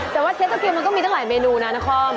แต่ว่าเชสเตอร์กิวมันก็มีตั้งหลายเมนูนะนาคอม